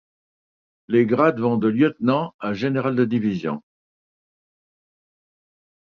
Les grades vont de lieutenant à général de division.